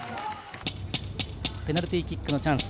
ペナルティーキックのチャンス。